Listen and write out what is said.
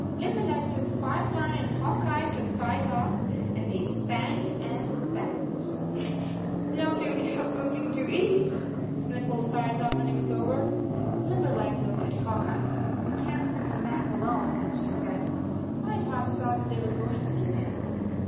Limberleg took Firefly and Hawk Eye took Firetop, and they spanked and spanked. " Now, can we have something to eat?" sniffled Firetop when it was over. Limber leg looked at Hawk Eye. " We can t send them back alone," she said. Firetop saw that they were going to give in.